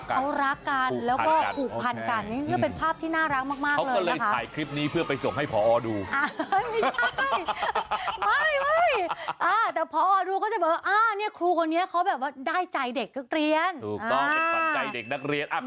ครูกับนักเรียนเนี่ยเขาแบบว่า